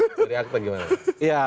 jadi akte gimana